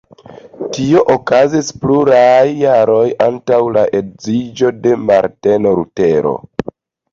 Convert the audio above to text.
Tio okazis pluraj jaroj antaŭ la edziĝo de Marteno Lutero.